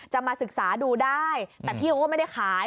มาศึกษาดูได้แต่พี่เขาก็ไม่ได้ขาย